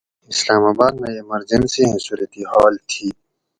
اسلام آباد مئ ایمرجنسی ایں صورتحال تھی